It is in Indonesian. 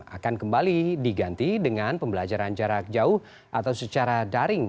akan kembali diganti dengan pembelajaran jarak jauh atau secara daring